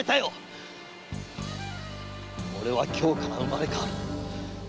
〔俺は今日から生まれ変わる。